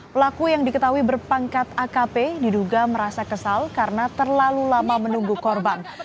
pelaku yang diketahui berpangkat akp diduga merasa kesal karena terlalu lama menunggu korban